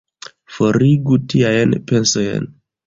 Forigu tiajn pensojn!